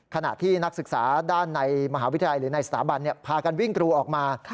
ขณะที่นักศึกษาด้านในมหาวิทยาลัยหรือในสถาบันพากันวิ่งกรูออกมา